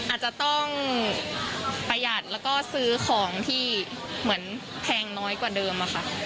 อาจจะต้องประหยัดแล้วก็ซื้อของที่เหมือนแพงน้อยกว่าเดิมค่ะ